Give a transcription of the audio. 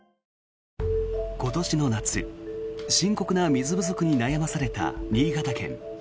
今年の夏、深刻な水不足に悩まされた新潟県。